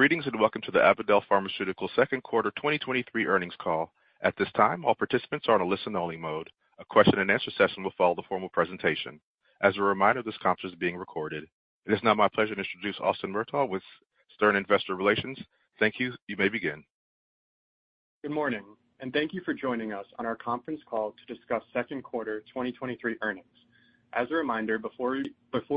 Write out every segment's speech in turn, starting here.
Greetings, welcome to the Avadel Pharmaceuticals second quarter 2023 earnings call. At this time, all participants are on a listen-only mode. A question-and-answer session will follow the formal presentation. As a reminder, this conference is being recorded. It is now my pleasure to introduce Austin Murtagh with Stern Investor Relations. Thank you. You may begin. Good morning, thank you for joining us on our conference call to discuss second quarter 2023 earnings. As a reminder, before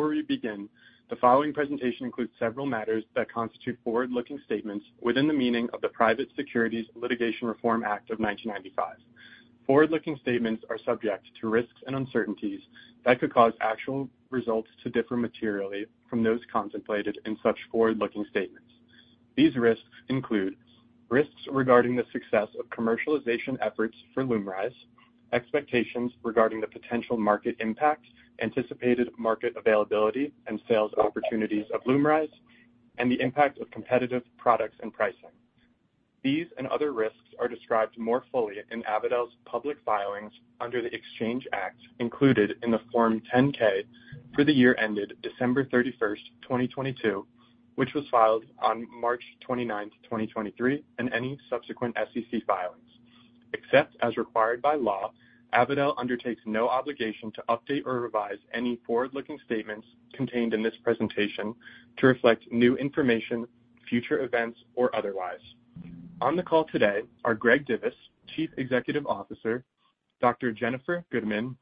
we begin, the following presentation includes several matters that constitute forward-looking statements within the meaning of the Private Securities Litigation Reform Act of 1995. Forward-looking statements are subject to risks and uncertainties that could cause actual results to differ materially from those contemplated in such forward-looking statements. These risks include risks regarding the success of commercialization efforts for LUMRYZ, expectations regarding the potential market impact, anticipated market availability and sales opportunities of LUMRYZ, and the impact of competitive products and pricing. These and other risks are described more fully in Avadel's public filings under the Exchange Act, included in the Form 10-K for the year ended December 31st, 2022, which was filed on March 29th, 2023, and any subsequent SEC filings. Except as required by law, Avadel undertakes no obligation to update or revise any forward-looking statements contained in this presentation to reflect new information, future events, or otherwise. On the call today are Greg Divis, Chief Executive Officer, Dr. Jennifer Gudeman,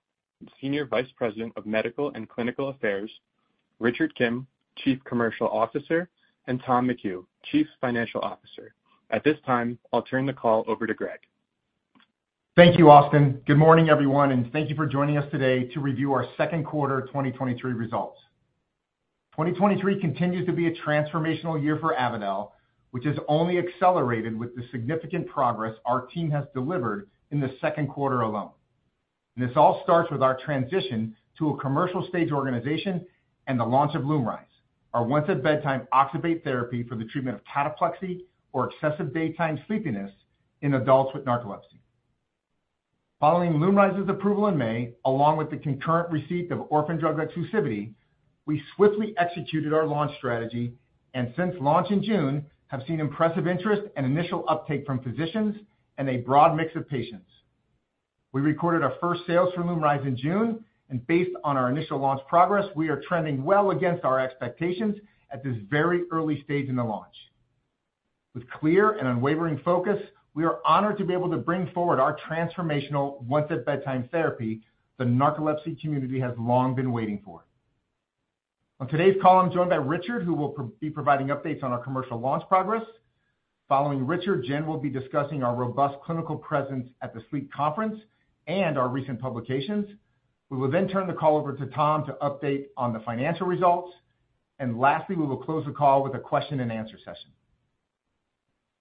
Senior Vice President of Medical and Clinical Affairs, Richard Kim, Chief Commercial Officer, and Tom McHugh, Chief Financial Officer. At this time, I'll turn the call over to Greg. Thank you, Austin. Good morning, everyone, and thank you for joining us today to review our second quarter 2023 results. 2023 continues to be a transformational year for Avadel, which has only accelerated with the significant progress our team has delivered in the second quarter alone. This all starts with our transition to a commercial stage organization and the launch of LUMRYZ, our once-at-bedtime oxybate therapy for the treatment of cataplexy or excessive daytime sleepiness in adults with narcolepsy. Following LUMRYZ's approval in May, along with the concurrent receipt of orphan drug exclusivity, we swiftly executed our launch strategy, and since launch in June, have seen impressive interest and initial uptake from physicians and a broad mix of patients. We recorded our first sales for LUMRYZ in June, based on our initial launch progress, we are trending well against our expectations at this very early stage in the launch. With clear and unwavering focus, we are honored to be able to bring forward our transformational once-at-bedtime therapy the narcolepsy community has long been waiting for. On today's call, I'm joined by Richard, who will be providing updates on our commercial launch progress. Following Richard, Jen will be discussing our robust clinical presence at the Sleep Conference and our recent publications. We will then turn the call over to Tom to update on the financial results, lastly, we will close the call with a question and answer session.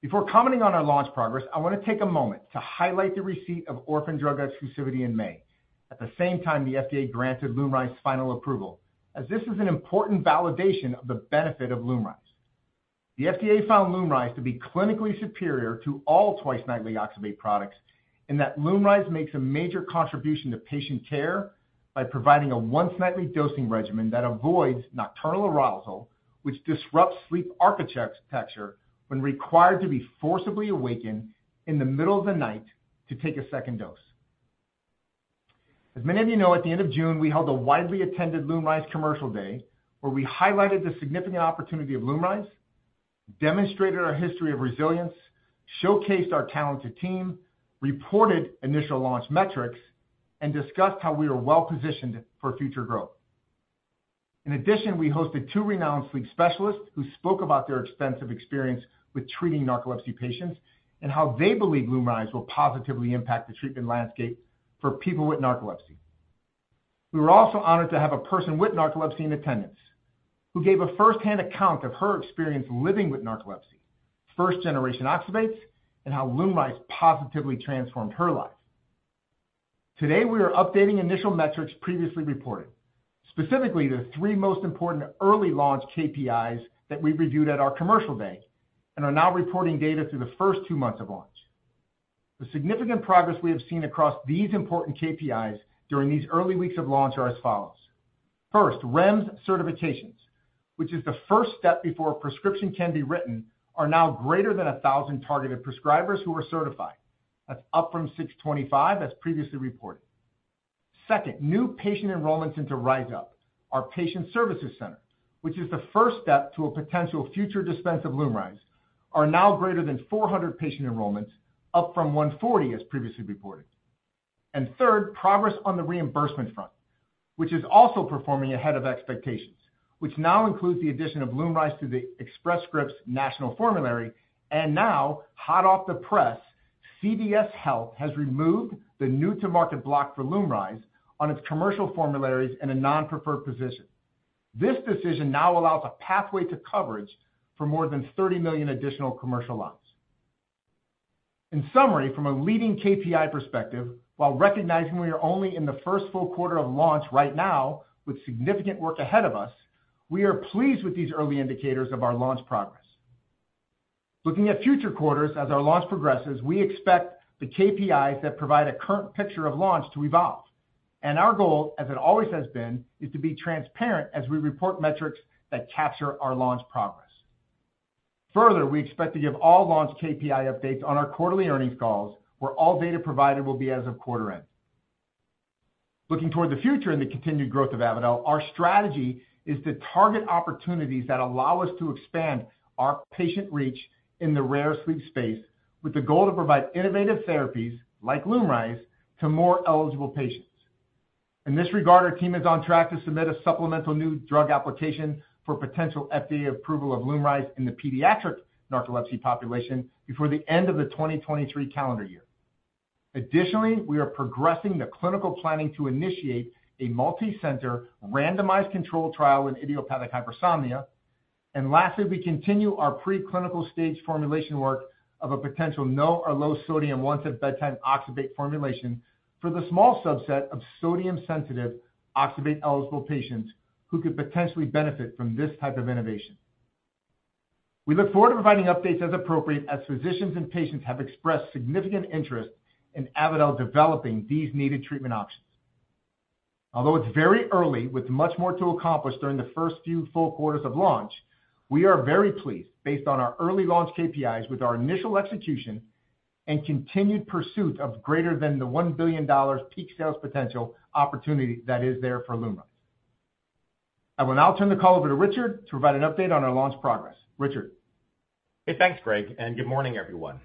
Before commenting on our launch progress, I want to take a moment to highlight the receipt of orphan drug exclusivity in May. At the same time, the FDA granted LUMRYZ final approval, as this is an important validation of the benefit of LUMRYZ. The FDA found LUMRYZ to be clinically superior to all twice-nightly oxybate products, and that LUMRYZ makes a major contribution to patient care by providing a once-nightly dosing regimen that avoids nocturnal arousal, which disrupts sleep architecture when required to be forcibly awakened in the middle of the night to take a second dose. Many of you know, at the end of June, we held a widely attended LUMRYZ commercial day, where we highlighted the significant opportunity of LUMRYZ, demonstrated our history of resilience, showcased our talented team, reported initial launch metrics, and discussed how we are well-positioned for future growth. In addition, we hosted two renowned sleep specialists who spoke about their extensive experience with treating narcolepsy patients and how they believe LUMRYZ will positively impact the treatment landscape for people with narcolepsy. We were also honored to have a person with narcolepsy in attendance, who gave a first-hand account of her experience living with narcolepsy, first-generation oxybates, and how LUMRYZ positively transformed her life. Today, we are updating initial metrics previously reported, specifically the three most important early launch KPIs that we reviewed at our commercial day and are now reporting data through the first two months of launch. The significant progress we have seen across these important KPIs during these early weeks of launch are as follows. First, REMS certifications, which is the first step before a prescription can be written, are now greater than 1,000 targeted prescribers who are certified. That's up from 625, as previously reported. Second, new patient enrollments into RYZUP, our patient services center, which is the first step to a potential future dispense of LUMRYZ, are now greater than 400 patient enrollments, up from 140, as previously reported. Third, progress on the reimbursement front, which is also performing ahead of expectations, which now includes the addition of LUMRYZ to the Express Scripts National Formulary. Now, hot off the press, CVS Health has removed the new-to-market block for LUMRYZ on its commercial formularies in a non-preferred position. This decision now allows a pathway to coverage for more than 30 million additional commercial lives. In summary, from a leading KPI perspective, while recognizing we are only in the first full quarter of launch right now with significant work ahead of us, we are pleased with these early indicators of our launch progress.... Looking at future quarters as our launch progresses, we expect the KPIs that provide a current picture of launch to evolve. Our goal, as it always has been, is to be transparent as we report metrics that capture our launch progress. We expect to give all launch KPI updates on our quarterly earnings calls, where all data provided will be as of quarter end. Looking toward the future and the continued growth of Avadel, our strategy is to target opportunities that allow us to expand our patient reach in the rare sleep space, with the goal to provide innovative therapies like LUMRYZ, to more eligible patients. In this regard, our team is on track to submit a supplemental new drug application for potential FDA approval of LUMRYZ in the pediatric narcolepsy population before the end of the 2023 calendar year. Additionally, we are progressing the clinical planning to initiate a multicenter, randomized controlled trial in idiopathic hypersomnia. Lastly, we continue our preclinical stage formulation work of a potential no or low sodium once-at-bedtime oxybate formulation for the small subset of sodium-sensitive oxybate-eligible patients who could potentially benefit from this type of innovation. We look forward to providing updates as appropriate, as physicians and patients have expressed significant interest in Avadel developing these needed treatment options. Although it's very early, with much more to accomplish during the first few full quarters of launch, we are very pleased based on our early launch KPIs, with our initial execution and continued pursuit of greater than the $1 billion peak sales potential opportunity that is there for LUMRYZ. I will now turn the call over to Richard to provide an update on our launch progress. Richard? Hey, thanks, Greg, good morning, everyone.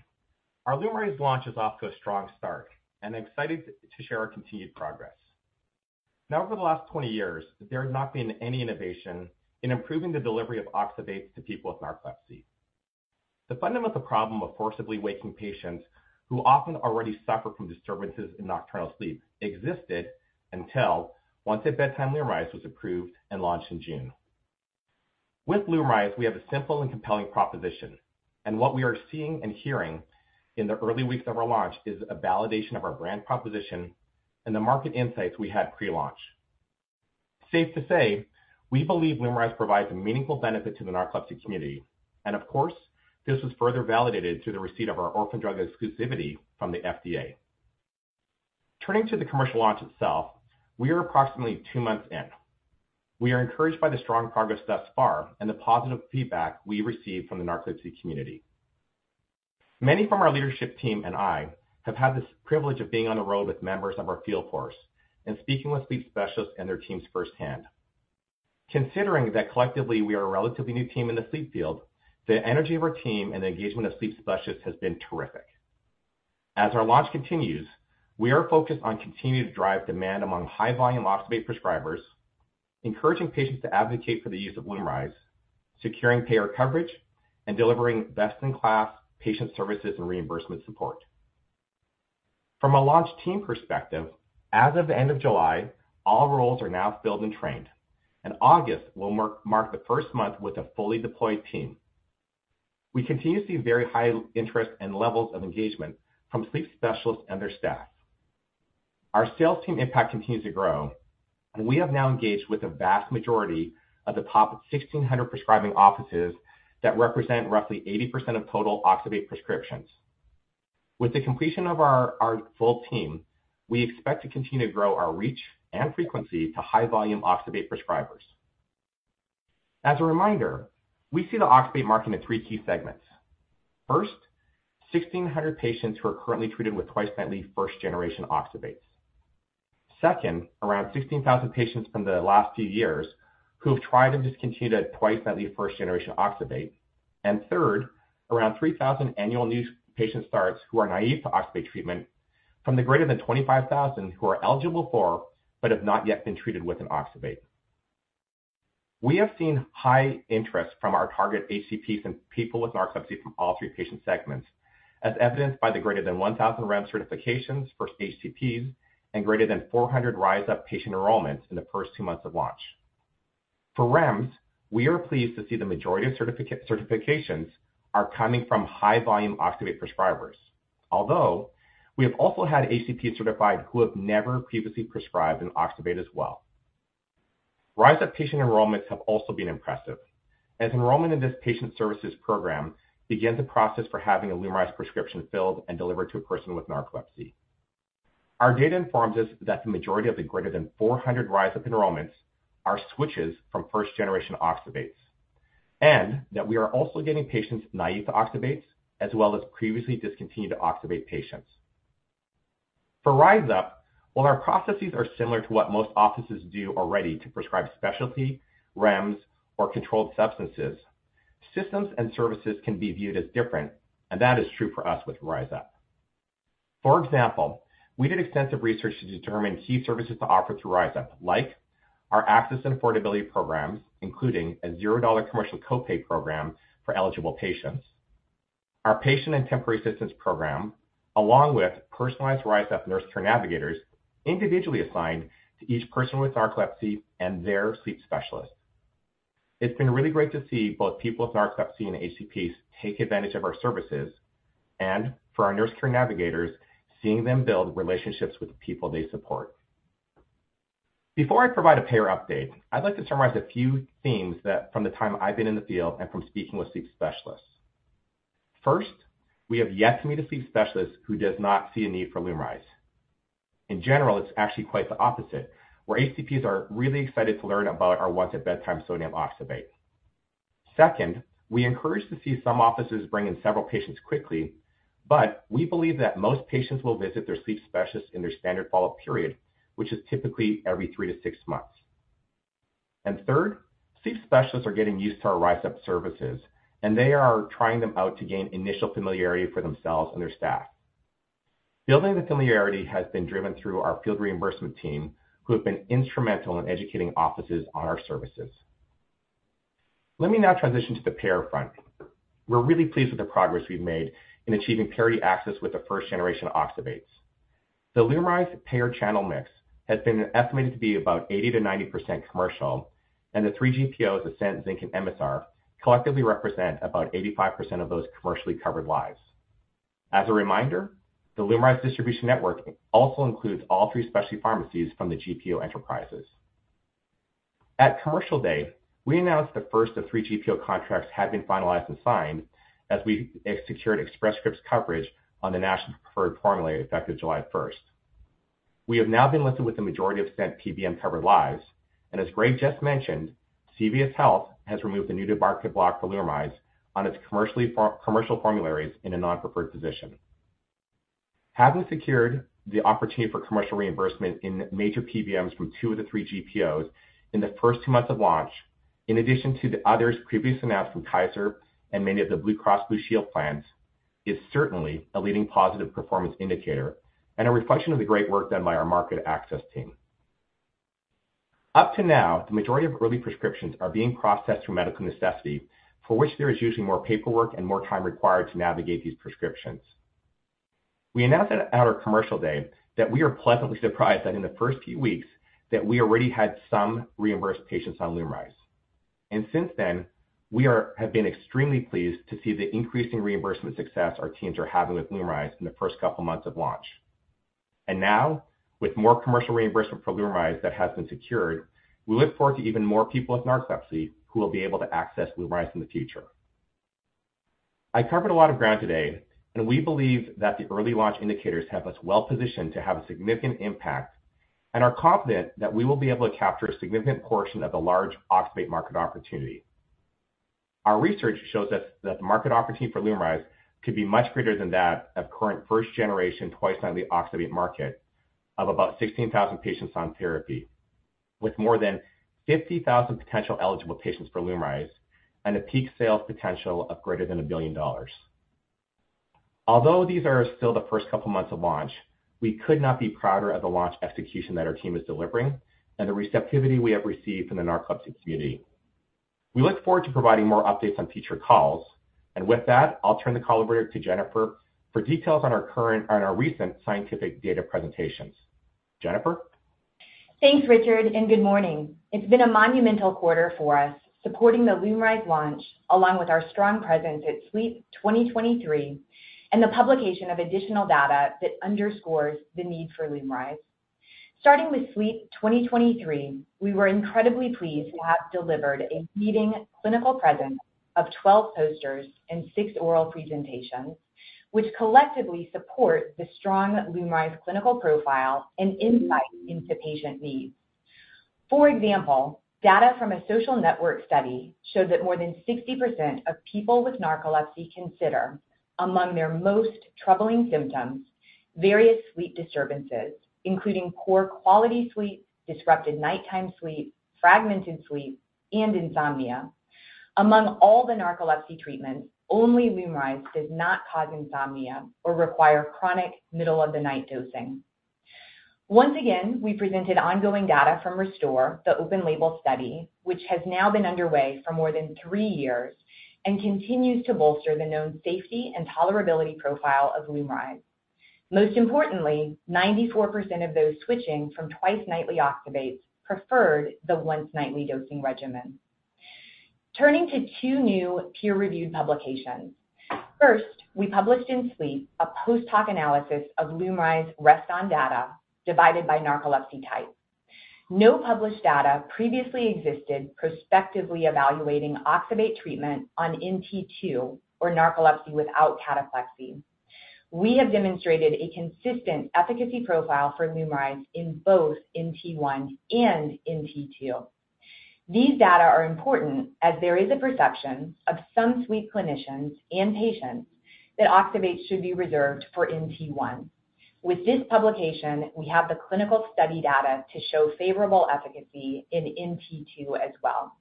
Our LUMRYZ launch is off to a strong start, and I'm excited to share our continued progress. Now, over the last 20 years, there has not been any innovation in improving the delivery of oxybate to people with narcolepsy. The fundamental problem of forcibly waking patients who often already suffer from disturbances in nocturnal sleep existed until once-at-bedtime LUMRYZ was approved and launched in June. With LUMRYZ, we have a simple and compelling proposition, and what we are seeing and hearing in the early weeks of our launch is a validation of our brand proposition and the market insights we had pre-launch. Safe to say, we believe LUMRYZ provides a meaningful benefit to the narcolepsy community, and of course, this was further validated through the receipt of our orphan drug exclusivity from the FDA. Turning to the commercial launch itself, we are approximately 2 months in. We are encouraged by the strong progress thus far and the positive feedback we received from the narcolepsy community. Many from our leadership team and I have had the privilege of being on the road with members of our field force and speaking with sleep specialists and their teams firsthand. Considering that collectively, we are a relatively new team in the sleep field, the energy of our team and the engagement of sleep specialists has been terrific. As our launch continues, we are focused on continuing to drive demand among high-volume oxybate prescribers, encouraging patients to advocate for the use of LUMRYZ, securing payer coverage, and delivering best-in-class patient services and reimbursement support. From a launch team perspective, as of the end of July, all roles are now filled and trained. August will mark the first month with a fully deployed team. We continue to see very high interest and levels of engagement from sleep specialists and their staff. Our sales team impact continues to grow. We have now engaged with the vast majority of the top 1,600 prescribing offices that represent roughly 80% of total oxybate prescriptions. With the completion of our full team, we expect to continue to grow our reach and frequency to high-volume oxybate prescribers. As a reminder, we see the oxybate market in three key segments. First, 1,600 patients who are currently treated with twice-nightly first-generation oxybates. Second, around 16,000 patients from the last few years who have tried and discontinued twice-nightly first-generation oxybate. Third, around 3,000 annual new patient starts who are naive to oxybate treatment from the greater than 25,000 who are eligible for, but have not yet been treated with an oxybate. We have seen high interest from our target HCPs and people with narcolepsy from all three patient segments, as evidenced by the greater than 1,000 REMS certifications for HCPs and greater than 400 RYZUP patient enrollments in the first two months of launch. For REMS, we are pleased to see the majority of certifications are coming from high-volume oxybate prescribers, although we have also had HCP certified who have never previously prescribed an oxybate as well. RYZUP patient enrollments have also been impressive, as enrollment in this patient services program begins a process for having a LUMRYZ prescription filled and delivered to a person with narcolepsy. Our data informs us that the majority of the greater than 400 RYZUP enrollments are switches from first generation oxybates, and that we are also getting patients naive to oxybates, as well as previously discontinued oxybate patients. For RYZUP, while our processes are similar to what most offices do already to prescribe specialty, REMS, or controlled substances, systems and services can be viewed as different, and that is true for us with RYZUP. For example, we did extensive research to determine key services to offer through RYZUP, like our access and affordability programs, including a $0 commercial co-pay program for eligible patients, our patient and temporary assistance program, along with personalized RYZUP Nurse Care Navigators, individually assigned to each person with narcolepsy and their sleep specialist. It's been really great to see both people with narcolepsy and HCPs take advantage of our services, and for our Nurse Care Navigators, seeing them build relationships with the people they support.... Before I provide a payer update, I'd like to summarize a few themes that from the time I've been in the field and from speaking with sleep specialists. First, we have yet to meet a sleep specialist who does not see a need for LUMRYZ. In general, it's actually quite the opposite, where HCPs are really excited to learn about our once-a-bedtime sodium oxybate. Second, we encourage to see some offices bring in several patients quickly, but we believe that most patients will visit their sleep specialist in their standard follow-up period, which is typically every 3-6 months. Third, sleep specialists are getting used to our RYZUP services, and they are trying them out to gain initial familiarity for themselves and their staff. Building the familiarity has been driven through our field reimbursement team, who have been instrumental in educating offices on our services. Let me now transition to the payer front. We're really pleased with the progress we've made in achieving parity access with the first generation oxybates. The LUMRYZ payer channel mix has been estimated to be about 80%-90% commercial, and the 3 GPOs, Ascent, Zinc, and Emisar, collectively represent about 85% of those commercially covered lives. As a reminder, the LUMRYZ distribution network also includes all 3 specialty pharmacies from the GPO enterprises. At Commercial Day, we announced the first of three GPO contracts had been finalized and signed as we secured Express Scripts coverage on the National Preferred Formulary, effective July first. We have now been listed with the majority of Ascent PBM-covered lives, as Greg just mentioned, CVS Health has removed the new to market block for LUMRYZ on its commercially commercial formularies in a non-preferred position. Having secured the opportunity for commercial reimbursement in major PBMs from two of the three GPOs in the first two months of launch, in addition to the others previously announced from Kaiser and many of the Blue Cross Blue Shield plans, is certainly a leading positive performance indicator and a reflection of the great work done by our market access team. Up to now, the majority of early prescriptions are being processed through medical necessity, for which there is usually more paperwork and more time required to navigate these prescriptions. We announced at our commercial day that we are pleasantly surprised that in the first few weeks that we already had some reimbursed patients on LUMRYZ. Since then, we have been extremely pleased to see the increasing reimbursement success our teams are having with LUMRYZ in the first couple months of launch. Now, with more commercial reimbursement for LUMRYZ that has been secured, we look forward to even more people with narcolepsy who will be able to access LUMRYZ in the future. I covered a lot of ground today, and we believe that the early launch indicators have us well positioned to have a significant impact and are confident that we will be able to capture a significant portion of the large oxybate market opportunity. Our research shows us that the market opportunity for LUMRYZ could be much greater than that of current first-generation, twice-nightly oxybate market of about 16,000 patients on therapy, with more than 50,000 potential eligible patients for LUMRYZ and a peak sales potential of greater than $1 billion. Although these are still the first couple months of launch, we could not be prouder of the launch execution that our team is delivering and the receptivity we have received from the narcolepsy community. We look forward to providing more updates on future calls. With that, I'll turn the call over to Jennifer for details on our recent scientific data presentations. Jennifer? Thanks, Richard, good morning. It's been a monumental quarter for us, supporting the LUMRYZ launch, along with our strong presence at SLEEP 2023, and the publication of additional data that underscores the need for LUMRYZ. Starting with SLEEP 2023, we were incredibly pleased to have delivered a leading clinical presence of 12 posters and six oral presentations, which collectively support the strong LUMRYZ clinical profile and insight into patient needs. For example, data from a social network study showed that more than 60% of people with narcolepsy consider among their most troubling symptoms, various sleep disturbances, including poor quality sleep, disrupted nighttime sleep, fragmented sleep, and insomnia. Among all the narcolepsy treatments, only LUMRYZ does not cause insomnia or require chronic middle-of-the-night dosing. Once again, we presented ongoing data from RESTORE, the open-label study, which has now been underway for more than three years and continues to bolster the known safety and tolerability profile of LUMRYZ. Most importantly, 94% of those switching from twice-nightly oxybates preferred the once-nightly dosing regimen. Turning to two new peer-reviewed publications. First, we published in SLEEP a post-hoc analysis of LUMRYZ REST-ON data divided by narcolepsy type. No published data previously existed prospectively evaluating oxybate treatment on NT2 or narcolepsy without cataplexy. We have demonstrated a consistent efficacy profile for LUMRYZ in both NT1 and NT2. These data are important as there is a perception of some sleep clinicians and patients that oxybate should be reserved for NT1. With this publication, we have the clinical study data to show favorable efficacy in NT2 as well.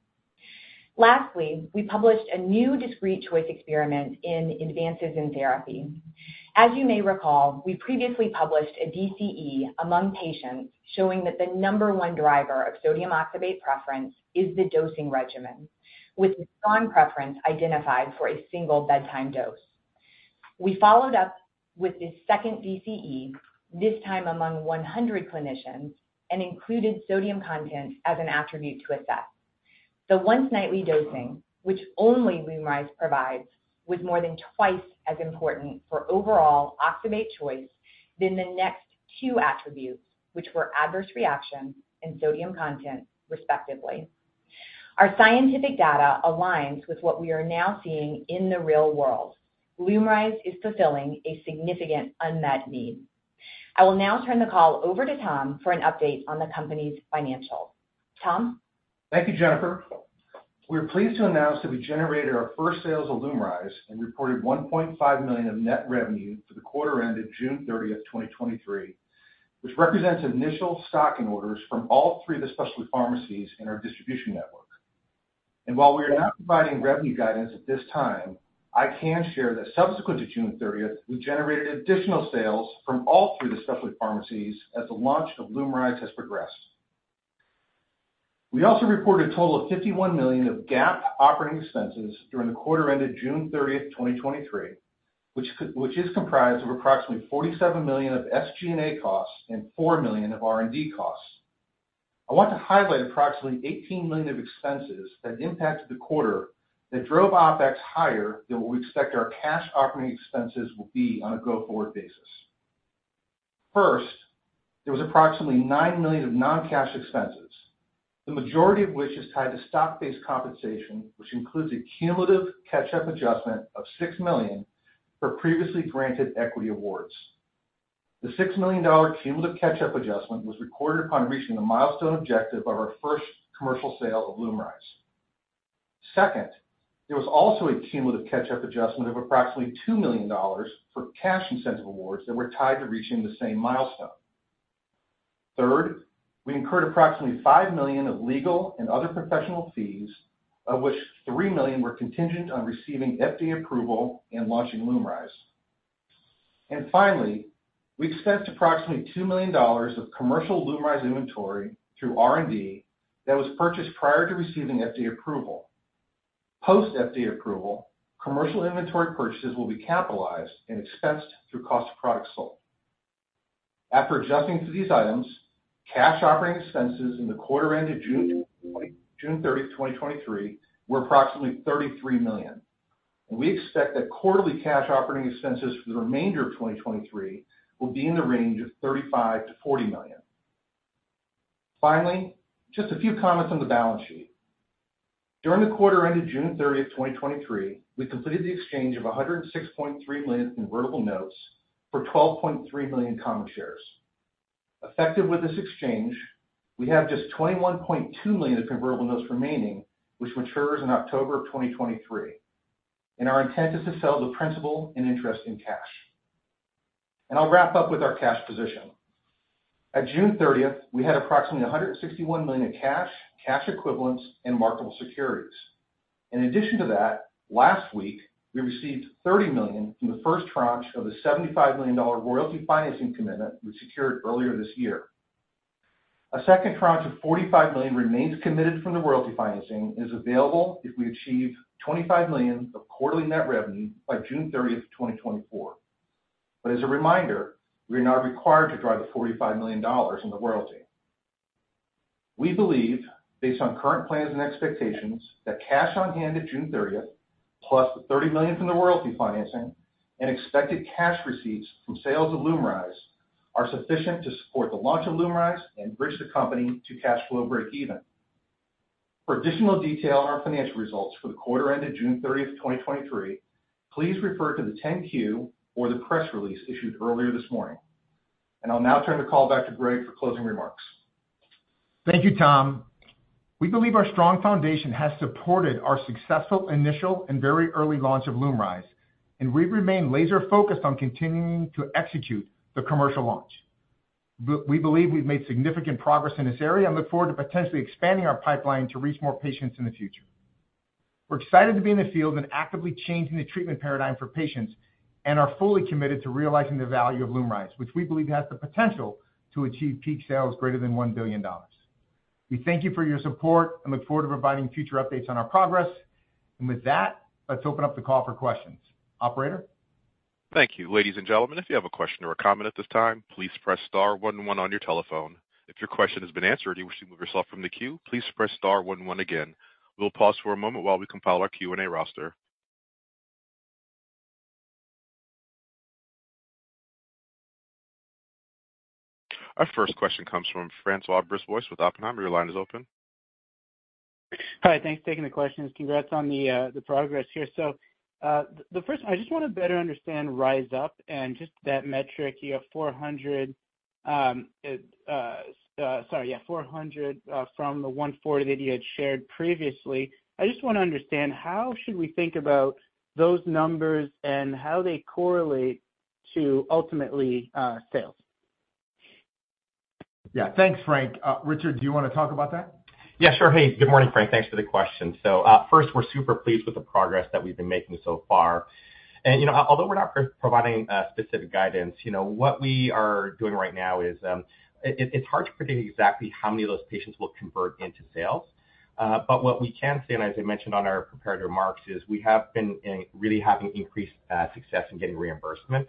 Lastly, we published a new discrete choice experiment in advances in therapy. As you may recall, we previously published a DCE among patients showing that the number one driver of sodium oxybate preference is the dosing regimen, with the strong preference identified for a single bedtime dose. We followed up with a second DCE, this time among 100 clinicians, and included sodium content as an attribute to assess. The once nightly dosing, which only LUMRYZ provides, was more than twice as important for overall oxybate choice than the next two attributes, which were adverse reactions and sodium content, respectively. Our scientific data aligns with what we are now seeing in the real world. LUMRYZ is fulfilling a significant unmet need. I will now turn the call over to Tom for an update on the company's financials. Tom? Thank you, Jennifer. We're pleased to announce that we generated our first sales of LUMRYZ and reported $1.5 million of net revenue for the quarter ended June 30, 2023, which represents initial stocking orders from all three of the specialty pharmacies in our distribution network. While we are not providing revenue guidance at this time, I can share that subsequent to June 30, we generated additional sales from all three of the specialty pharmacies as the launch of LUMRYZ has progressed. We also reported a total of $51 million of GAAP operating expenses during the quarter ended June 30, 2023, which is comprised of approximately $47 million of SG&A costs and $4 million of R&D costs. I want to highlight approximately $18 million of expenses that impacted the quarter, that drove OpEx higher than what we expect our cash operating expenses will be on a go-forward basis. First, there was approximately $9 million of non-cash expenses, the majority of which is tied to stock-based compensation, which includes a cumulative catch-up adjustment of $6 million for previously granted equity awards. The $6 million cumulative catch-up adjustment was recorded upon reaching the milestone objective of our first commercial sale of LUMRYZ. Second, there was also a cumulative catch-up adjustment of approximately $2 million for cash incentive awards that were tied to reaching the same milestone. Third, we incurred approximately $5 million of legal and other professional fees, of which $3 million were contingent on receiving FDA approval and launching LUMRYZ. Finally, we expensed approximately $2 million of commercial LUMRYZ inventory through R&D that was purchased prior to receiving FDA approval. Post FDA approval, commercial inventory purchases will be capitalized and expensed through cost of product sold. After adjusting to these items, cash operating expenses in the quarter ended June 30, 2023, were approximately $33 million. We expect that quarterly cash operating expenses for the remainder of 2023 will be in the range of $35 million-$40 million. Finally, just a few comments on the balance sheet. During the quarter ended June 30, 2023, we completed the exchange of $106.3 million in convertible notes for 12.3 million common shares. Effective with this exchange, we have just $21.2 million of convertible notes remaining, which matures in October of 2023, and our intent is to sell the principal and interest in cash. I'll wrap up with our cash position. At June 30th, we had approximately $161 million of cash, cash equivalents, and marketable securities. In addition to that, last week, we received $30 million from the first tranche of the $75 million royalty financing commitment we secured earlier this year. A second tranche of $45 million remains committed from the royalty financing and is available if we achieve $25 million of quarterly net revenue by June 30th, 2024. As a reminder, we are not required to drive the $45 million in the royalty. We believe, based on current plans and expectations, that cash on hand at June thirtieth, plus the $30 million from the royalty financing and expected cash receipts from sales of LUMRYZ, are sufficient to support the launch of LUMRYZ and bridge the company to cash flow breakeven. For additional detail on our financial results for the quarter ended June thirtieth, 2023, please refer to the 10-Q or the press release issued earlier this morning. I'll now turn the call back to Greg for closing remarks. Thank you, Tom. We believe our strong foundation has supported our successful initial and very early launch of LUMRYZ, and we remain laser focused on continuing to execute the commercial launch. We believe we've made significant progress in this area and look forward to potentially expanding our pipeline to reach more patients in the future. We're excited to be in the field and actively changing the treatment paradigm for patients, and are fully committed to realizing the value of LUMRYZ, which we believe has the potential to achieve peak sales greater than $1 billion. We thank you for your support and look forward to providing future updates on our progress. With that, let's open up the call for questions. Operator? Thank you. Ladies and gentlemen, if you have a question or a comment at this time, please press star one one on your telephone. If your question has been answered and you wish to move yourself from the queue, please press star one one again. We'll pause for a moment while we compile our Q&A roster. Our first question comes from François Brisebois with Oppenheimer. Your line is open. Hi, thanks for taking the questions. Congrats on the progress here. The first one, I just want to better understand RYZUP and just that metric, you have 400, sorry, yeah, 400 from the 140 that you had shared previously. I just want to understand, how should we think about those numbers and how they correlate to ultimately sales? Yeah. Thanks, Frank. Richard, do you want to talk about that? Yeah, sure. Hey, good morning, Frank. Thanks for the question. First, we're super pleased with the progress that we've been making so far. You know, although we're not providing specific guidance, you know, what we are doing right now is, it's hard to predict exactly how many of those patients will convert into sales. What we can say, and as I mentioned on our prepared remarks, is we have been really having increased success in getting reimbursements.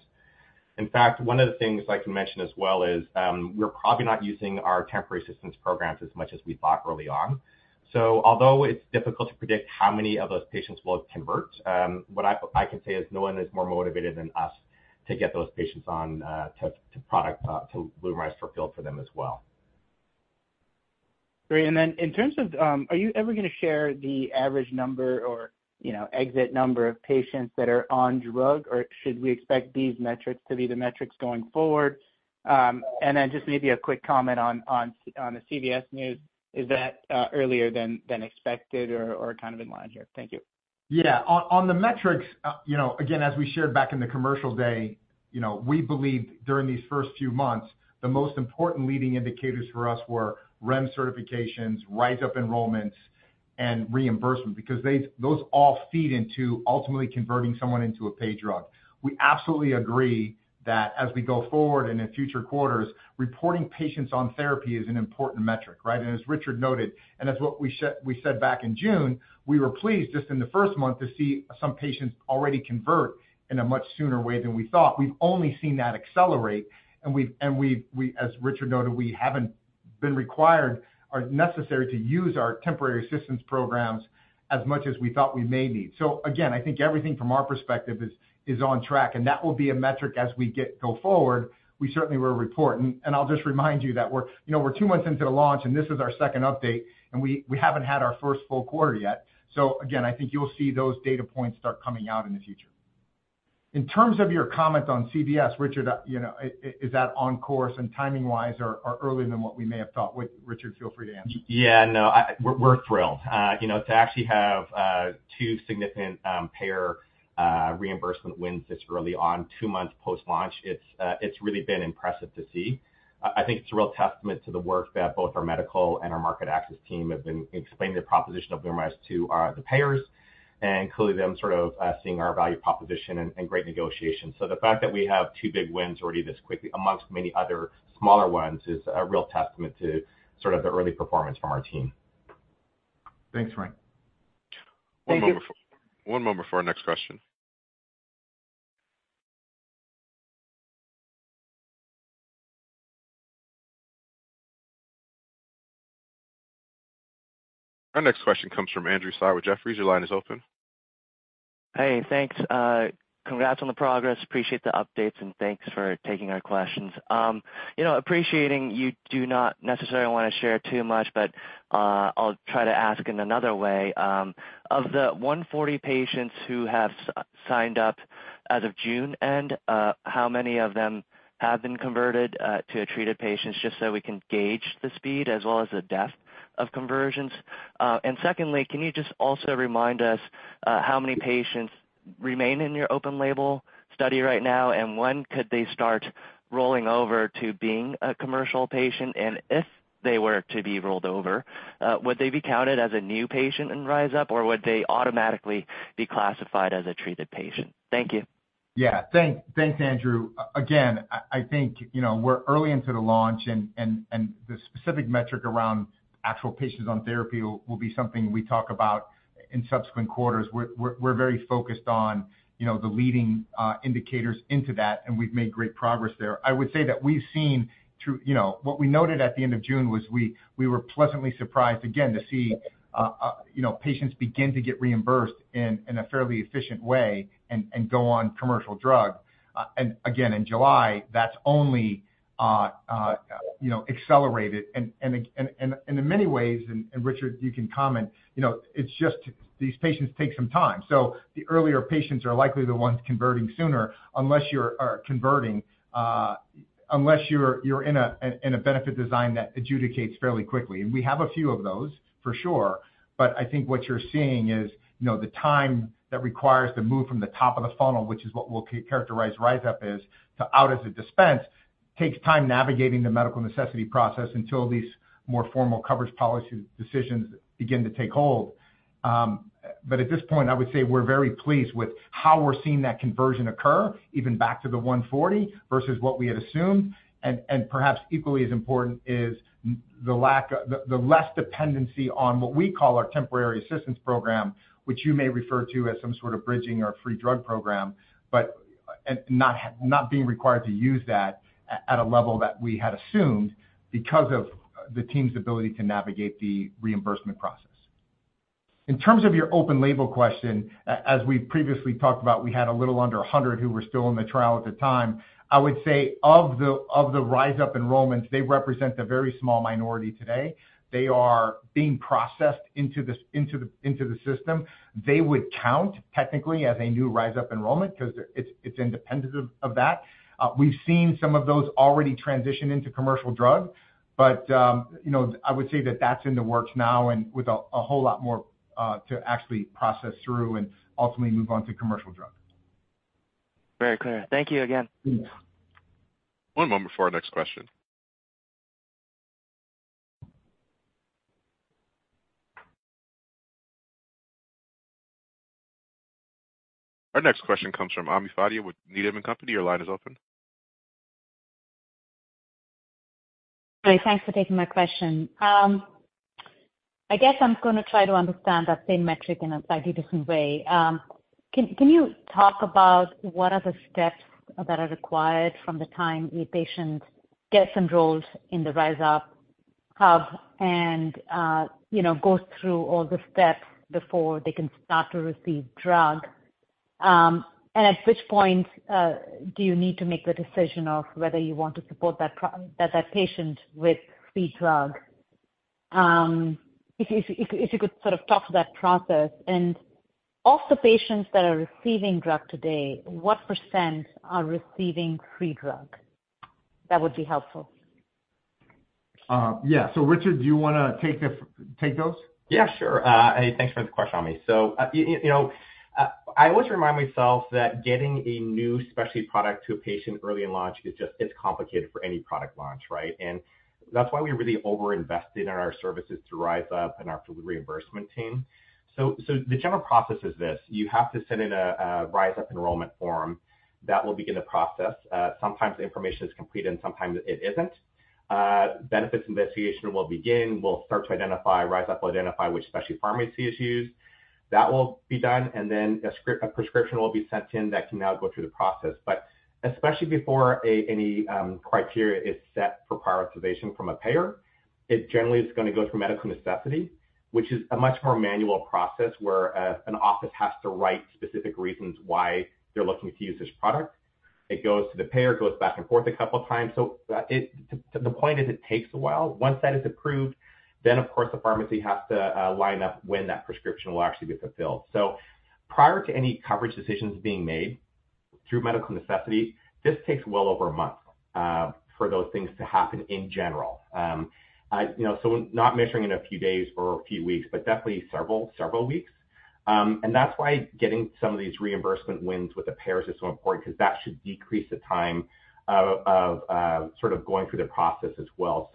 In fact, one of the things I'd like to mention as well is, we're probably not using our temporary assistance programs as much as we thought early on. Although it's difficult to predict how many of those patients will convert, what I, I can say is no one is more motivated than us to get those patients on, to, to product, to LUMRYZ fulfilled for them as well. Great. In terms of, are you ever gonna share the average number or, you know, exit number of patients that are on drug? Should we expect these metrics to be the metrics going forward? Just maybe a quick comment on the CVS news. Is that earlier than expected or kind of in line here? Thank you. Yeah. On, on the metrics, you know, again, as we shared back in the commercial day, you know, we believed during these first few months, the most important leading indicators for us were REMS certifications, RYZUP enrollments, and reimbursement, because those all feed into ultimately converting someone into a paid drug. We absolutely agree that as we go forward and in future quarters, reporting patients on therapy is an important metric, right? As Richard noted, and that's what we said, we said back in June, we were pleased just in the first month to see some patients already convert in a much sooner way than we thought. We've only seen that accelerate, as Richard noted, we haven't been required or necessary to use our temporary assistance programs as much as we thought we may need. Again, I think everything from our perspective is, is on track, and that will be a metric as we go forward, we certainly will report. I'll just remind you that we're, you know, we're 2 months into the launch, and this is our second update, and we, we haven't had our first full quarter yet. Again, I think you'll see those data points start coming out in the future. In terms of your comments on CVS, Richard, you know, is that on course and timing-wise or, or earlier than what we may have thought? Richard, feel free to answer. Yeah, no, we're, we're thrilled. You know, to actually have 2 significant payer reimbursement wins this early on, 2 months post-launch, it's really been impressive to see. I, I think it's a real testament to the work that both our medical and our market access team have been explaining the proposition of LUMRYZ to the payers and including them sort of seeing our value proposition and, and great negotiations. The fact that we have 2 big wins already this quickly, amongst many other smaller ones, is a real testament to sort of the early performance from our team. Thanks, Ryan. Thank you. One moment before our next question. Our next question comes from Andrew Tsai with Jefferies. Your line is open. Hey, thanks. Congrats on the progress. Appreciate the updates, and thanks for taking our questions. You know, appreciating you do not necessarily want to share too much, but, I'll try to ask in another way. Of the 140 patients who have s-signed up as of June end, how many of them have been converted to treated patients just so we can gauge the speed as well as the depth of conversions? Secondly, can you just also remind us, how many patients remain in your open-label study right now, and when could they start rolling over to being a commercial patient? If they were to be rolled over, would they be counted as a new patient in RYZUP, or would they automatically be classified as a treated patient? Thank you. Yeah. Thanks. Thanks, Andrew. Again, I, I think, you know, we're early into the launch and, and, and the specific metric around actual patients on therapy will, will be something we talk about in subsequent quarters. We're, we're, we're very focused on, you know, the leading, indicators into that, and we've made great progress there. I would say that we've seen through... You know, what we noted at the end of June was we, we were pleasantly surprised again to see, you know, patients begin to get reimbursed in, in a fairly efficient way and, and go on commercial drug. Again, in July, that's only, you know, accelerated. Again, and, and, and in many ways, and, and Richard, you can comment, you know, it's just these patients take some time. The earlier patients are likely the ones converting sooner unless you're, are converting, unless you're, you're in a benefit design that adjudicates fairly quickly. We have a few of those, for sure, but I think what you're seeing is, you know, the time that requires the move from the top of the funnel, which is what we'll characterize RYZUP is, to out as a dispense, takes time navigating the medical necessity process until these more formal coverage policy decisions begin to take hold. At this point, I would say we're very pleased with how we're seeing that conversion occur, even back to the 140, versus what we had assumed. Perhaps equally as important is the less dependency on what we call our temporary assistance program, which you may refer to as some sort of bridging or free drug program, not being required to use that at a level that we had assumed because of the team's ability to navigate the reimbursement process. In terms of your open-label question, as we previously talked about, we had a little under 100 who were still in the trial at the time. I would say of the RYZUP enrollments, they represent a very small minority today. They are being processed into the system. They would count technically as a new RYZUP enrollment because it's independent of that. We've seen some of those already transition into commercial drug, but, you know, I would say that that's in the works now and with a, a whole lot more to actually process through and ultimately move on to commercial drug. Very clear. Thank you again. One moment before our next question. Our next question comes from Ami Fadia with Needham and Company. Your line is open. Hi, thanks for taking my question. I guess I'm gonna try to understand that same metric in a slightly different way. Can you talk about what are the steps that are required from the time a patient gets enrolled in the RYZUP hub and, you know, goes through all the steps before they can start to receive drug? And at which point do you need to make the decision of whether you want to support that patient with free drug? If you could sort of talk to that process, and of the patients that are receiving drug today, what % are receiving free drug? That would be helpful. Yeah. Richard, do you want to take the take those? Yeah, sure. Thanks for the question, Ami Fadia. You know, I always remind myself that getting a new specialty product to a patient early in launch is just, it's complicated for any product launch, right? That's why we really over-invested in our services through RYZUP and our full reimbursement team. So the general process is this: you have to send in a, a RYZUP enrollment form. That will begin the process. Sometimes the information is complete, and sometimes it isn't. Benefits investigation will begin. We'll start to identify, RYZUP will identify which specialty pharmacy is used. That will be done, and then a script, a prescription will be sent in that can now go through the process. Especially before any criteria is set for prioritization from a payer, it generally is gonna go through medical necessity, which is a much more manual process, where an office has to write specific reasons why they're looking to use this product. It goes to the payer, goes back and forth a couple times. The point is, it takes a while. Once that is approved, then, of course, the pharmacy has to line up when that prescription will actually get fulfilled. Prior to any coverage decisions being made through medical necessity, this takes well over a month for those things to happen in general. you know, so not measuring in a few days or a few weeks, but definitely several, several weeks. That's why getting some of these reimbursement wins with the payers is so important, because that should decrease the time of, of, sort of going through the process as well.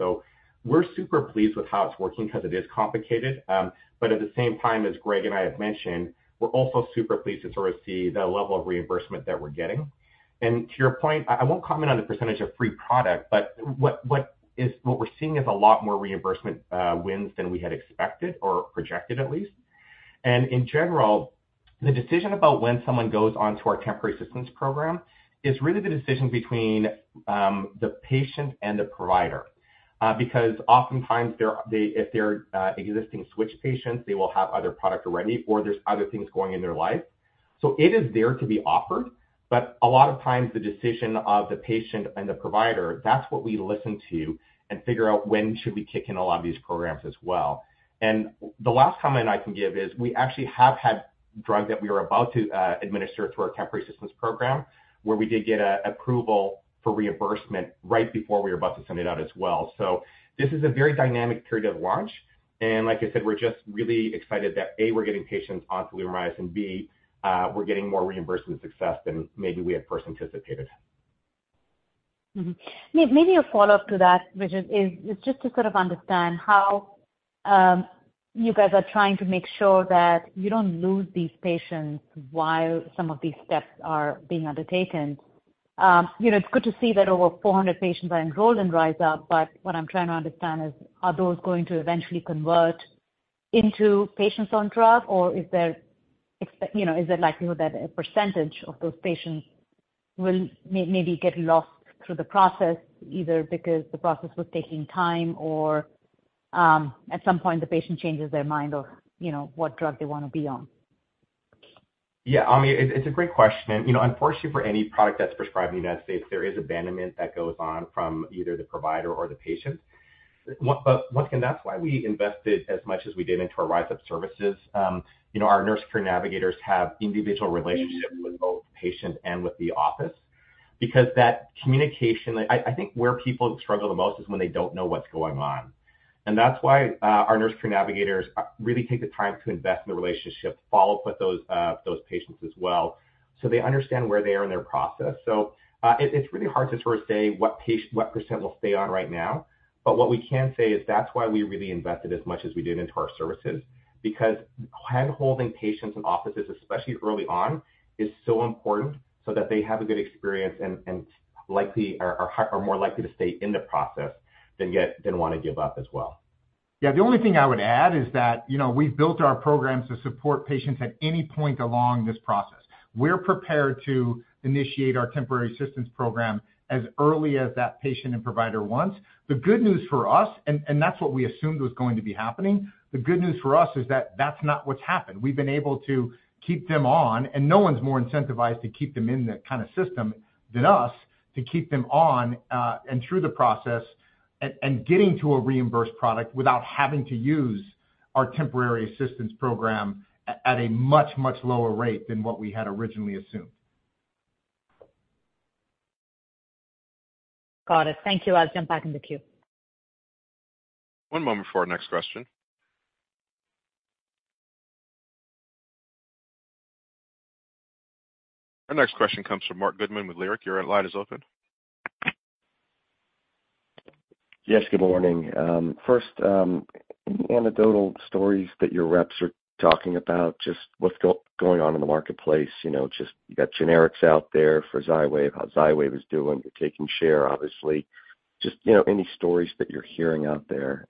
We're super pleased with how it's working, because it is complicated. At the same time, as Greg and I have mentioned, we're also super pleased to sort of see the level of reimbursement that we're getting. To your point, I, I won't comment on the percentage of free product, but what we're seeing is a lot more reimbursement, wins than we had expected or projected, at least. In general, the decision about when someone goes onto our temporary assistance program is really the decision between the patient and the provider, because oftentimes if they're existing switch patients, they will have other product already, or there's other things going in their life. It is there to be offered, but a lot of times the decision of the patient and the provider, that's what we listen to and figure out when should we kick in a lot of these programs as well. The last comment I can give is, we actually have had drug that we were about to administer through our temporary assistance program, where we did get approval for reimbursement right before we were about to send it out as well. This is a very dynamic period of launch, and like I said, we're just really excited that, A, we're getting patients onto LUMRYZ, and B, we're getting more reimbursement success than maybe we at first anticipated. Maybe, maybe a follow-up to that, which is, is just to sort of understand how you guys are trying to make sure that you don't lose these patients while some of these steps are being undertaken. You know, it's good to see that over 400 patients are enrolled in RYZUP, but what I'm trying to understand is, are those going to eventually convert into patients on drug, or is there you know, is it likely that a percentage of those patients will maybe get lost through the process, either because the process was taking time or, at some point the patient changes their mind on, you know, what drug they want to be on? Yeah, Ami, it's a great question. You know, unfortunately, for any product that's prescribed in the United States, there is abandonment that goes on from either the provider or the patient. That's why we invested as much as we did into our RYZUP services. You know, our Nurse Care Navigators have individual relationships with both the patient and with the office because that communication, I think where people struggle the most is when they don't know what's going on. That's why our Nurse Care Navigators really take the time to invest in the relationship, follow up with those patients as well, so they understand where they are in their process. It's really hard to sort of say what % will stay on right now, but what we can say is that's why we really invested as much as we did into our services, because handholding patients and offices, especially early on, is so important, so that they have a good experience and, and likely are more likely to stay in the process than want to give up as well. Yeah, the only thing I would add is that, you know, we've built our programs to support patients at any point along this process. We're prepared to initiate our temporary assistance program as early as that patient and provider wants. The good news for us, and, and that's what we assumed was going to be happening, the good news for us is that that's not what's happened. We've been able to keep them on, and no one's more incentivized to keep them in that kind of system than us, to keep them on, and through the process and, and getting to a reimbursed product without having to use our temporary assistance program at, at a much, much lower rate than what we had originally assumed. Got it. Thank you. I'll jump back in the queue. One moment for our next question. Our next question comes from Marc Goodman with Leerink. Your line is open. Yes, good morning. First, any anecdotal stories that your reps are talking about, just what's going on in the marketplace? You know, just, you got generics out there for XYWAV, how XYWAV is doing. You're taking share, obviously. Just, you know, any stories that you're hearing out there.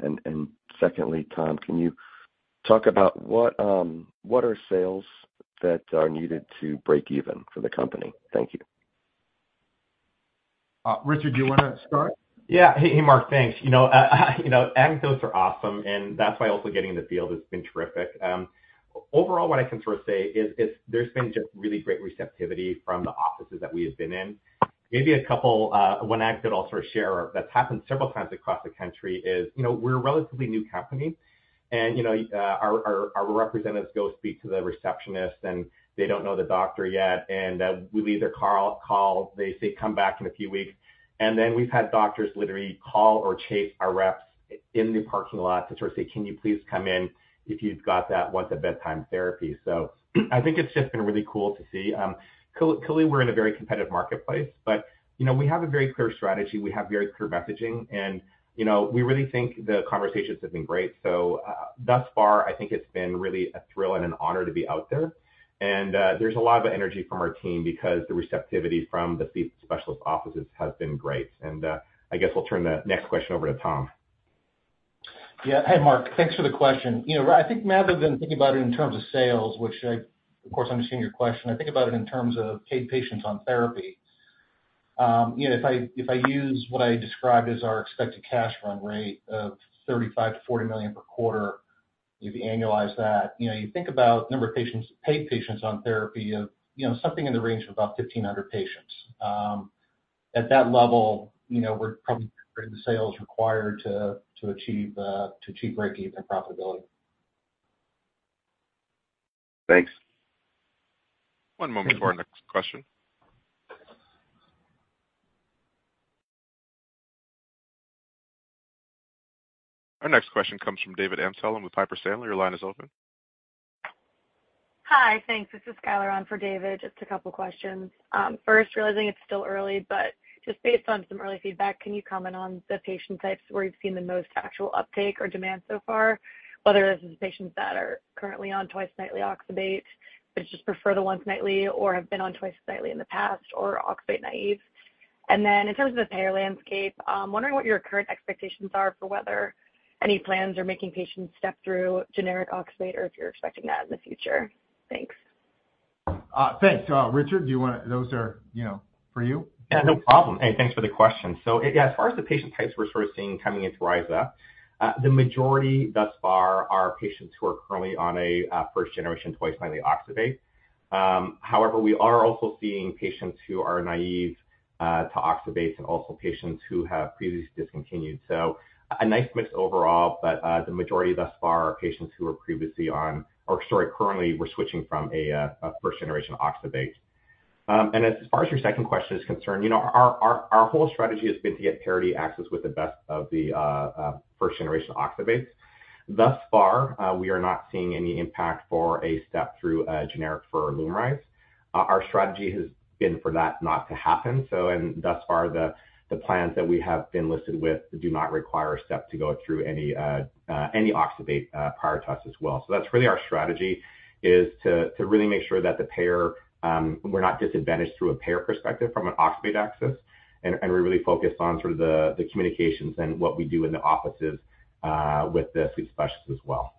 Secondly, Tom, can you talk about what are sales that are needed to break even for the company? Thank you. Richard, do you want to start? Yeah. Hey, hey, Marc, thanks. You know, you know, anecdotes are awesome, that's why also getting in the field has been terrific. Overall, what I can sort of say is, is there's been just really great receptivity from the offices that we have been in. Maybe a couple, one anecdote I'll sort of share that's happened several times across the country is, you know, we're a relatively new company, and, you know, our, our, our representatives go speak to the receptionist, and they don't know the doctor yet, and we leave their call. They say, "Come back in a few weeks." Then we've had doctors literally call or chase our reps in the parking lot to sort of say: Can you please come in if you've got that once-a-bedtime therapy? I think it's just been really cool to see. Clearly, we're in a very competitive marketplace, you know, we have a very clear strategy. We have very clear messaging, you know, we really think the conversations have been great. Thus far, I think it's been really a thrill and an honor to be out there. There's a lot of energy from our team because the receptivity from the sleep specialist offices has been great. I guess I'll turn the next question over to Tom. Yeah. Hey, Marc, thanks for the question. You know, I think rather than thinking about it in terms of sales, which I, of course, understand your question, I think about it in terms of paid patients on therapy. You know, if I, if I use what I described as our expected cash run rate of $35 million-$40 million per quarter, if you annualize that, you know, you think about the number of patients, paid patients on therapy of, you know, something in the range of about 1,500 patients. At that level, you know, we're probably the sales required to, to achieve, to achieve breakeven profitability. Thanks. One moment for our next question. Our next question comes from David Amsellem with Piper Sandler. Your line is open. Hi. Thanks. This is Skyler on for David. Just a couple questions. First, realizing it's still early, but just based on some early feedback, can you comment on the patient types where you've seen the most actual uptake or demand so far, whether it's the patients that are currently on twice-nightly oxybate, but just prefer the once-nightly or have been on twice-nightly in the past or oxybate naive? In terms of the payer landscape, wondering what your current expectations are for whether any plans are making patients step through generic oxybate or if you're expecting that in the future? Thanks. Thanks. Richard, do you want to... Those are, you know, for you. Yeah, no problem. Hey, thanks for the question. Yeah, as far as the patient types we're sort of seeing coming into RYZUP, the majority thus far are patients who are currently on a first-generation twice-nightly oxybate. However, we are also seeing patients who are naive to oxybate and also patients who have previously discontinued. A nice mix overall, but the majority thus far are patients who were previously on, or sorry, currently were switching from a first-generation oxybate. And as far as your second question is concerned, you know, our, our, our whole strategy has been to get parity access with the best of the first-generation oxybates. Thus far, we are not seeing any impact for a step through a generic for LUMRYZ. Our strategy has been for that not to happen. Thus far, the plans that we have been listed with do not require a step to go through any oxybate prior to us as well. That's really our strategy, is to really make sure that the payer, we're not disadvantaged through a payer perspective from an oxybate access, and we're really focused on sort of the communications and what we do in the offices with the sleep specialists as well.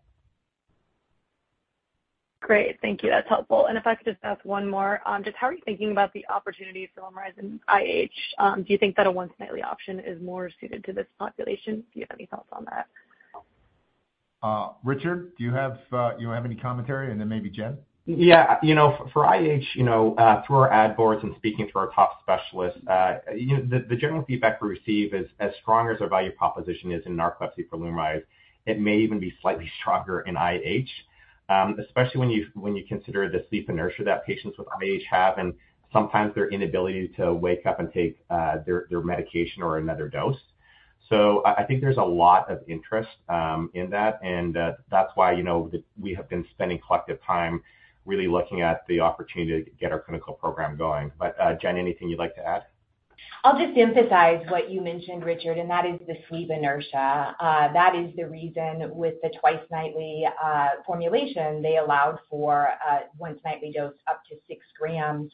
Great. Thank you. That's helpful. If I could just ask one more, just how are you thinking about the opportunity for LUMRYZ in IH? Do you think that a once-nightly option is more suited to this population? Do you have any thoughts on that? Richard, do you have any commentary? Then maybe Jen. Yeah. You know, for IH, you know, through our ad boards and speaking to our top specialists, you know, the general feedback we receive is, as strong as our value proposition is in narcolepsy for LUMRYZ, it may even be slightly stronger in IH, especially when you consider the sleep inertia that patients with IH have and sometimes their inability to wake up and take their medication or another dose. I, I think there's a lot of interest in that, and that's why, you know, we have been spending collective time really looking at the opportunity to get our clinical program going. Jen, anything you'd like to add? I'll just emphasize what you mentioned, Richard, and that is the sleep inertia. That is the reason with the twice-nightly formulation, they allowed for once-nightly dose up to 6 grams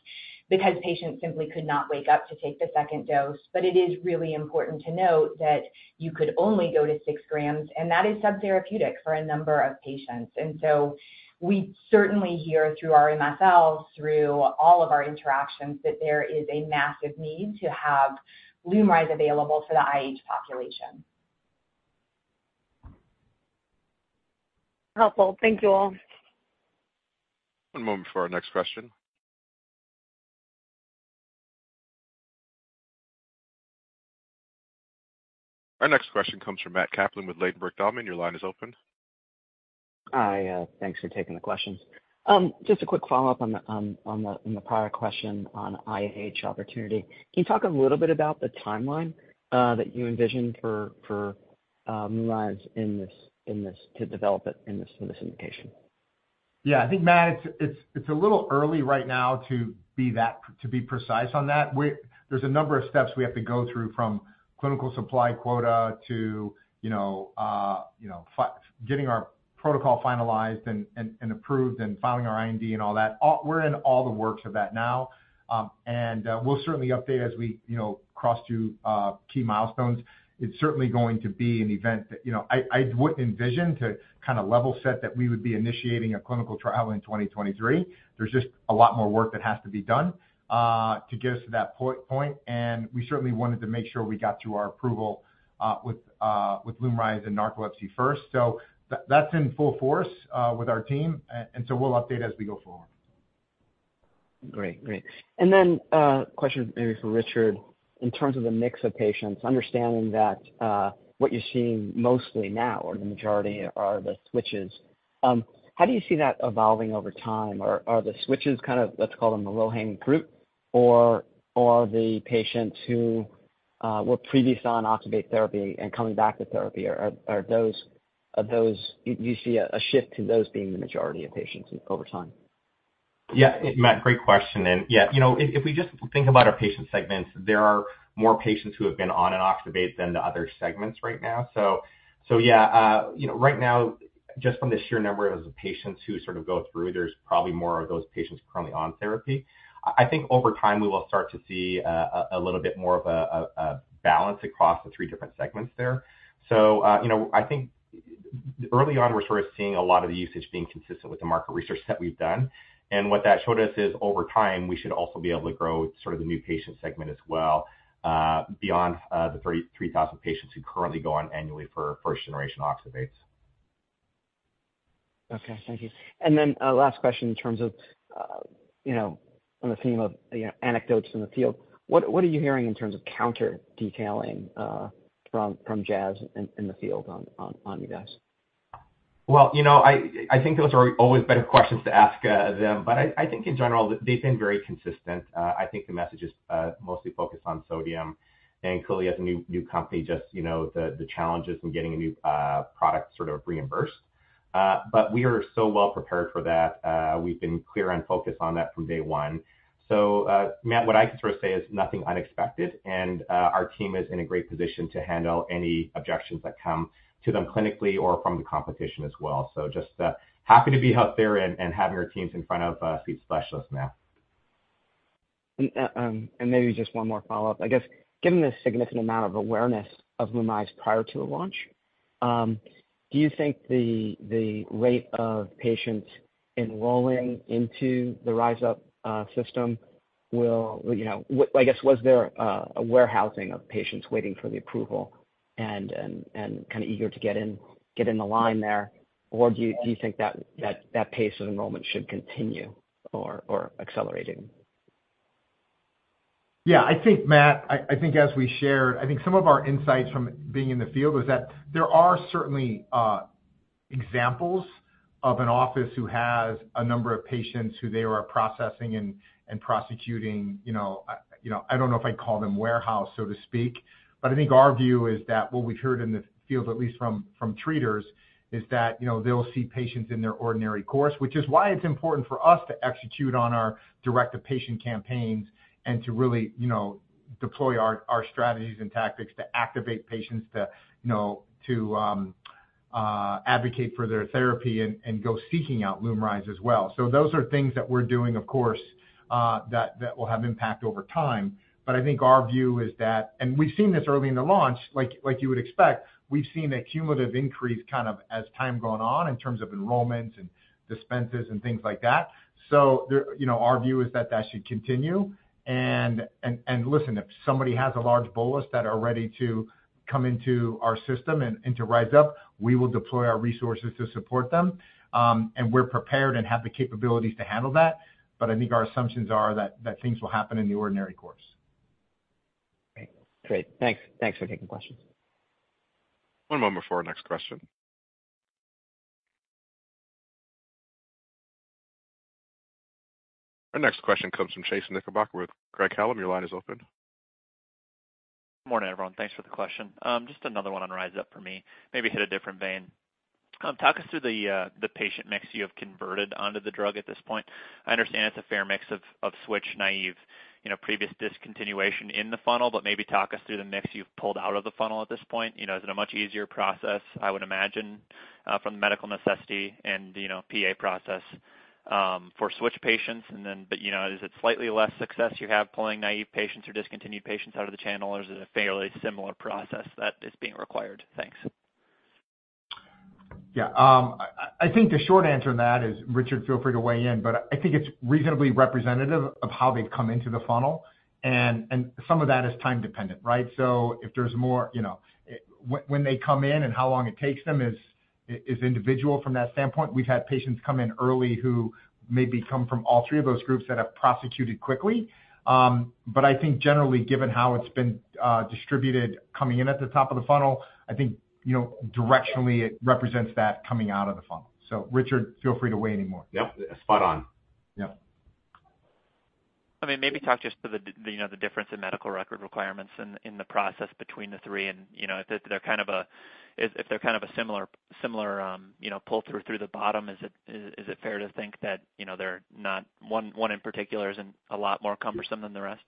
because patients simply could not wake up to take the second dose. It is really important to note that you could only go to 6 grams, and that is subtherapeutic for a number of patients. So we certainly hear through our MSLs, through all of our interactions, that there is a massive need to have LUMRYZ available for the IH population. Helpful. Thank you all. One moment for our next question. Our next question comes from Matt Kaplan with Ladenburg Thalmann. Your line is open. Hi, thanks for taking the questions. Just a quick follow-up on the on the on the prior question on IH opportunity. Can you talk a little bit about the timeline that you envision for for LUMRYZ in this in this to develop it in this in this indication? Yeah, I think, Matt, it's, it's, it's a little early right now to be precise on that. There's a number of steps we have to go through from clinical supply quota to, you know, you know, getting our protocol finalized and, and, and approved and filing our IND and all that. We're in all the works of that now, and we'll certainly update as we, you know, cross through key milestones. It's certainly going to be an event that, you know, I, I wouldn't envision to kind of level set that we would be initiating a clinical trial in 2023. There's just a lot more work that has to be done to get us to that point, and we certainly wanted to make sure we got through our approval with with LUMRYZ and narcolepsy first. That's in full force with our team, and so we'll update as we go forward. Great. Great. Then, question maybe for Richard. In terms of the mix of patients, understanding that, what you're seeing mostly now, or the majority, are the switches, how do you see that evolving over time? Are the switches kind of, let's call them, the low-hanging fruit, or the patients who were previously on oxybate therapy and coming back to therapy, do you see a shift to those being the majority of patients over time? Yeah, Matt, great question. Yeah, you know, if, if we just think about our patient segments, there are more patients who have been on an oxybate than the other segments right now. Yeah, you know, right now, just from the sheer number of patients who sort of go through, there's probably more of those patients currently on therapy. I think over time, we will start to see a little bit more of a balance across the three different segments there. You know, I think early on, we're sort of seeing a lot of the usage being consistent with the market research that we've done. What that showed us is, over time, we should also be able to grow sort of the new patient segment as well, beyond, the 33,000 patients who currently go on annually for first-generation oxybates. Okay, thank you. Then, last question in terms of, you know, on the theme of, you know, anecdotes in the field. What, what are you hearing in terms of counter-detailing, from, from Jazz in, in the field on, on, on you guys? You know, I, I think those are always better questions to ask them, but I, I think in general, they've been very consistent. I think the message is mostly focused on sodium. Clearly, as a new, new company, just, you know, the, the challenges in getting a new product sort of reimbursed. We are so well prepared for that. We've been clear and focused on that from day one. Matt, what I can sort of say is nothing unexpected, and our team is in a great position to handle any objections that come to them clinically or from the competition as well. Just happy to be out there and having our teams in front of these specialists, Matt. Maybe just one more follow-up: I guess, given the significant amount of awareness of LUMRYZ prior to the launch, do you think the rate of patients enrolling into the RYZUP system, you know, I guess, was there a warehousing of patients waiting for the approval and, and, and kind of eager to get in, get in the line there? Or do you, do you think that, that, that pace of enrollment should continue or accelerating? Yeah, I think, Matt, I, I think as we shared, I think some of our insights from being in the field is that there are certainly, examples of an office who has a number of patients who they are processing and, and prosecuting, you know, you know, I don't know if I'd call them warehouse, so to speak. I think our view is that what we've heard in the field, at least from, from treaters, is that, you know, they'll see patients in their ordinary course, which is why it's important for us to execute on our direct-to-patient campaigns and to really, you know, deploy our, our strategies and tactics to activate patients to, you know, to, advocate for their therapy and, and go seeking out LUMRYZ as well. Those are things that we're doing, of course, that, that will have impact over time. I think our view is that, and we've seen this early in the launch, like, like you would expect, we've seen a cumulative increase kind of as time gone on in terms of enrollments and dispenses and things like that. There, you know, our view is that that should continue. Listen, if somebody has a large bolus that are ready to come into our system and, and to RYZUP, we will deploy our resources to support them, and we're prepared and have the capabilities to handle that. I think our assumptions are that, that things will happen in the ordinary course. Great. Great. Thanks. Thanks for taking the questions. One moment before our next question. Our next question comes from Chase Knickerbocker with Craig-Hallum. Your line is open. Morning, everyone. Thanks for the question. Just another one on RYZUP for me. Maybe hit a different vein. Talk us through the patient mix you have converted onto the drug at this point. I understand it's a fair mix of, of switch, naive, you know, previous discontinuation in the funnel, but maybe talk us through the mix you've pulled out of the funnel at this point. You know, is it a much easier process, I would imagine, from the medical necessity and, you know, PA process for switch patients? You know, is it slightly less success you have pulling naive patients or discontinued patients out of the channel? Or is it a fairly similar process that is being required? Thanks. Yeah, I think the short answer to that is, Richard, feel free to weigh in, but I think it's reasonably representative of how they've come into the funnel, and some of that is time dependent, right? When they come in and how long it takes them is individual from that standpoint. We've had patients come in early who maybe come from all three of those groups that have prosecuted quickly. But I think generally, given how it's been distributed coming in at the top of the funnel, I think, you know, directionally, it represents that coming out of the funnel. Richard, feel free to weigh any more. Yep, spot on. Yep. I mean, maybe talk just to the, the, you know, the difference in medical record requirements in, in the process between the three and, you know, if they're, they're kind of a-- if, if they're kind of a similar, similar, you know, pull through, through the bottom. Is it fair to think that, you know, they're not one, one in particular isn't a lot more cumbersome than the rest?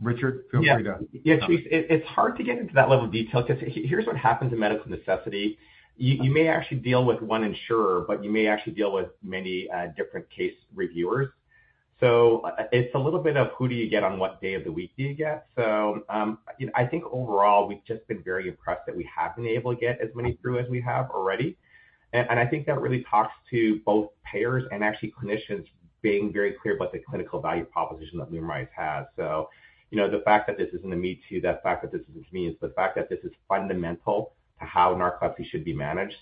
Richard, feel free to. Yeah. Yeah, Chase, it, it's hard to get into that level of detail because here's what happens in medical necessity. You, you may actually deal with one insurer, but you may actually deal with many, different case reviewers. it's a little bit of who do you get on what day of the week do you get? I think overall, we've just been very impressed that we have been able to get as many through as we have already. I think that really talks to both payers and actually clinicians being very clear about the clinical value proposition that LUMRYZ has. you know, the fact that this isn't a me-too, the fact that this is me, is the fact that this is fundamental to how narcolepsy should be managed.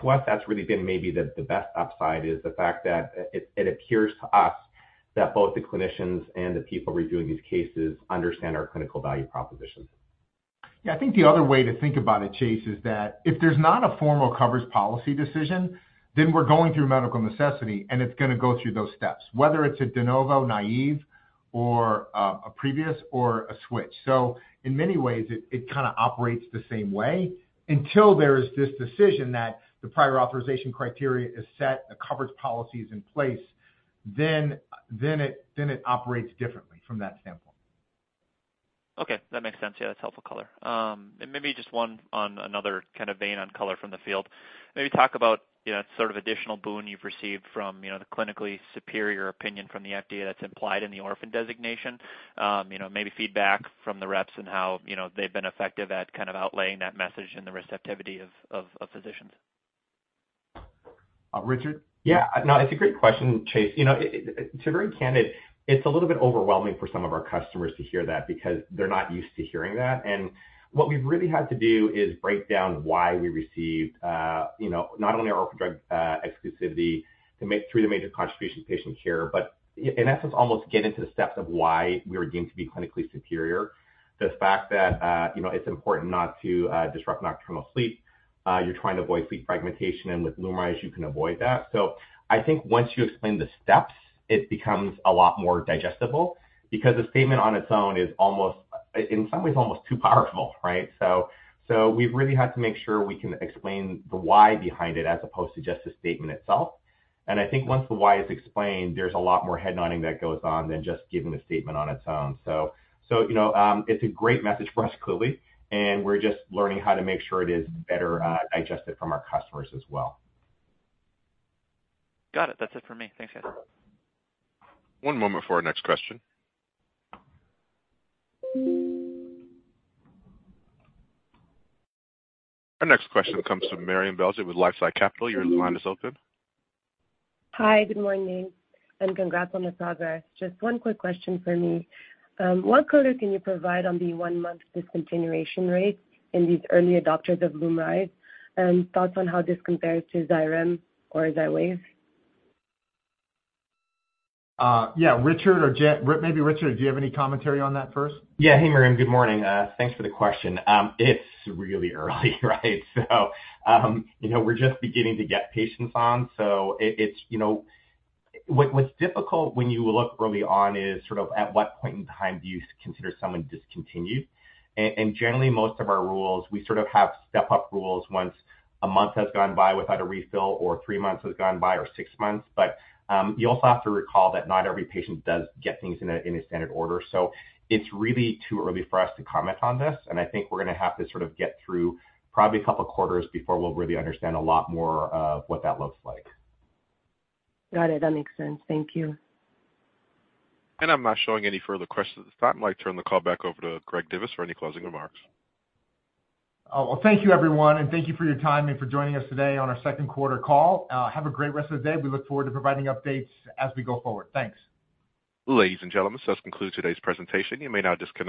To us, that's really been maybe the, the best upside, is the fact that it, it appears to us that both the clinicians and the people reviewing these cases understand our clinical value proposition. Yeah, I think the other way to think about it, Chase, is that if there's not a formal coverage policy decision, then we're going through medical necessity, and it's gonna go through those steps, whether it's a de novo, naive, or a previous, or a switch. In many ways, it, it kind of operates the same way until there is this decision that the prior authorization criteria is set, the coverage policy is in place, then, then it, then it operates differently from that standpoint. Okay, that makes sense. Yeah, that's helpful color. Maybe just one on another kind of vein on color from the field. Maybe talk about, you know, sort of additional boon you've received from, you know, the clinically superior opinion from the FDA that's implied in the orphan designation. You know, maybe feedback from the reps and how, you know, they've been effective at kind of outlaying that message and the receptivity of, of, of physicians. Richard? Yeah. No, it's a great question, Chase. You know, it, to very candid, it's a little bit overwhelming for some of our customers to hear that because they're not used to hearing that. What we've really had to do is break down why we received, you know, not only our orphan drug exclusivity through the major contribution to patient care, but in essence, almost get into the steps of why we were deemed to be clinically superior. The fact that, you know, it's important not to disrupt nocturnal sleep. You're trying to avoid sleep fragmentation, and with LUMRYZ, you can avoid that. I think once you explain the steps, it becomes a lot more digestible because the statement on its own is almost, in some ways, almost too powerful, right? We've really had to make sure we can explain the why behind it, as opposed to just the statement itself. I think once the why is explained, there's a lot more head nodding that goes on than just giving the statement on its own. You know, it's a great message for us, clearly, and we're just learning how to make sure it is better digested from our customers as well. Got it. That's it for me. Thanks, guys. One moment for our next question. Our next question comes from Myriam Belghiti with LifeSci Capital. Your line is open. Hi, good morning, and congrats on the progress. Just one quick question for me. What color can you provide on the one-month discontinuation rate in these early adopters of LUMRYZ? Thoughts on how this compares to Xyrem or XYWAV? Yeah, Richard or Jen, maybe Richard, do you have any commentary on that first? Yeah. Hey, Miriam, good morning. Thanks for the question. It's really early, right? You know, we're just beginning to get patients on, so it, it's. You know, what, what's difficult when you look early on is sort of at what point in time do you consider someone discontinued? Generally, most of our rules, we sort of have step-up rules once a month has gone by without a refill or three months has gone by or six months. You also have to recall that not every patient does get things in a, in a standard order. It's really too early for us to comment on this, and I think we're gonna have to sort of get through probably a couple of quarters before we'll really understand a lot more of what that looks like. Got it. That makes sense. Thank you. I'm not showing any further questions at this time. I'd like to turn the call back over to Greg Divis for any closing remarks. Well, thank you, everyone, and thank you for your time and for joining us today on our 2nd quarter call. Have a great rest of the day. We look forward to providing updates as we go forward. Thanks. Ladies and gentlemen, this concludes today's presentation. You may now disconnect.